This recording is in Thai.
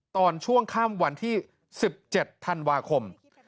ตอนช่วงค่ำวันที่๑๗ธันวาคม